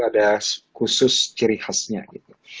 ada khusus ciri khasnya gitu